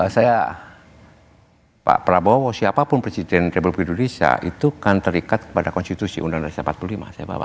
saya pak prabowo siapapun presiden republik indonesia itu kan terikat kepada konstitusi undang undang dasar empat puluh lima saya bawa